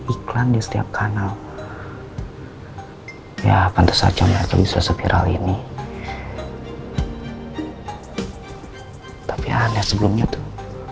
iklan di setiap kanal ya pantas saja bisa sepiral ini tapi ada sebelumnya tuh